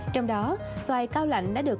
trong đó xoài cao lạnh đã được